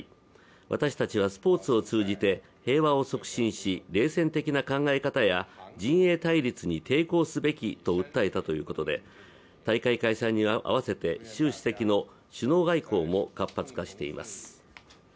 私たちはスポーツを通じて平和を促進し、冷戦的な考え方や陣営対立に抵抗すべきと訴えたということで大会開催に合わせて、習主席の首脳外交も活発化しています。